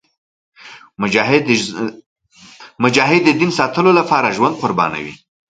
مجاهد د دین ساتلو لپاره ژوند قربانوي.